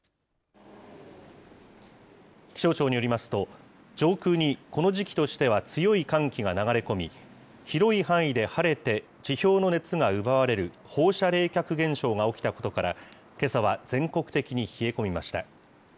気象庁によりますと、上空にこの時期としては強い寒気が流れ込み、広い範囲で晴れて、地表の熱が奪われる、放射冷却現象が起きたことから、けさは全国的に冷え込みました。